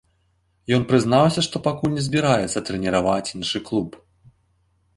Ён прызнаўся, што пакуль не збіраецца трэніраваць іншы клуб.